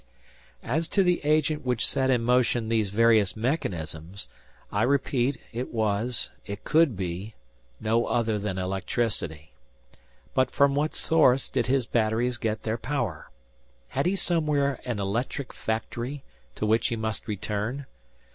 As to the agent which set in action these various mechanisms, I repeat, it was, it could be, no other than electricity. But from what source did his batteries get their power? Had he somewhere an electric factory, to which he must return?